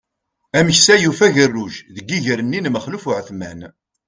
Ameksa yufa agerruj deg iger-nni n Maxluf Uεetman.